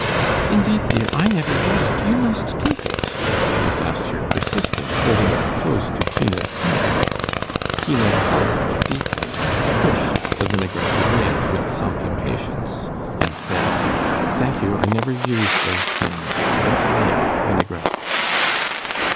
'Indeed, dear, I never use it; you must take it,' Miss Assher persisted, holding it close to Tina's hand. Tina coloured deeply, pushed the vinaigrette away with some impatience, and said, 'Thank you, I never use those things. I don't like vinaigrettes.